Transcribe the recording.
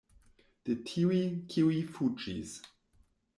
De tiuj, kiuj fuĝis.